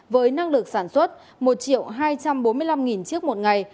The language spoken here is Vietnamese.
với năng lực sản xuất một hai trăm bốn mươi năm chiếc một ngày